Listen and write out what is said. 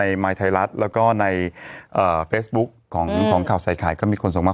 ในมายไทยรัสแล้วก็ในเอ่อเฟสบุ๊กของของข่าวใส่ขายก็มีคนส่งมา